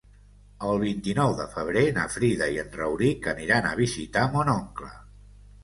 El vint-i-nou de febrer na Frida i en Rauric aniran a visitar mon oncle.